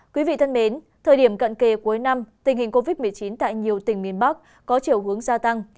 quý vị thân mến thời điểm cận kề cuối năm tình hình covid một mươi chín tại nhiều tỉnh miền bắc có chiều hướng gia tăng